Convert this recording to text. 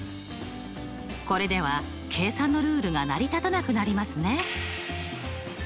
これでは計算のルールが成り立たなくなりますね。